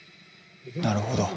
なるほど。